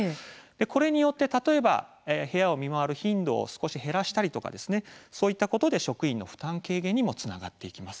これによって例えば部屋を見回る頻度を少し減らしたりとかそういったことで職員の負担軽減にもつながっていきます。